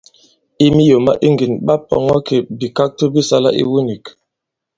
I miyò ma iŋgìn, ɓa pɔ̀ŋɔ kì bìkakto bi sālā iwu nīk.